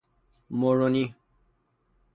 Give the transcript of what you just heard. مورونی